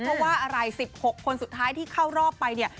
เพราะว่าอะไร๑๖คนสุดท้ายที่เข้ารอบไปเนี่ย